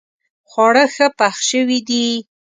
خواړه ښه پخ شوي دي